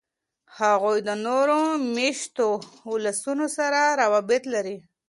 هغوی د نورو میشتو ولسونو سره روابط لري.